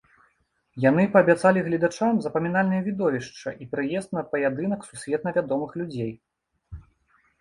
Яны паабяцалі гледачам запамінальнае відовішча і прыезд на паядынак сусветна вядомых людзей.